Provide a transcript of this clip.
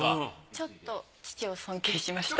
ちょっと父を尊敬しました。